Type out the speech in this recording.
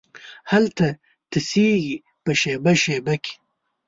هلته تشېږې په شیبه، شیبه کې